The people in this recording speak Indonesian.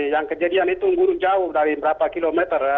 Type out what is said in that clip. yang kejadian itu buruh jauh dari berapa kilometer